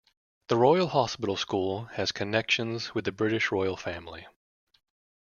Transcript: The Royal Hospital School has connections with the British Royal Family.